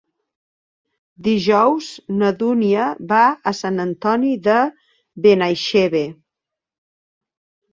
Dijous na Dúnia va a Sant Antoni de Benaixeve.